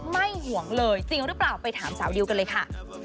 ห่วงเลยจริงหรือเปล่าไปถามสาวดิวกันเลยค่ะ